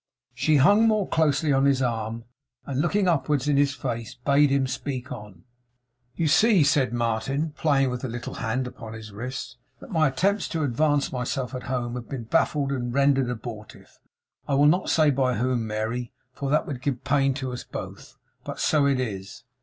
She hung more closely on his arm, and looking upwards in his face, bade him speak on. 'You see,' said Martin, playing with the little hand upon his wrist, 'that my attempts to advance myself at home have been baffled and rendered abortive. I will not say by whom, Mary, for that would give pain to us both. But so it is.